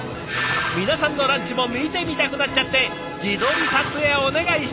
皆さんのランチも見てみたくなっちゃって自撮り撮影お願いしたんです！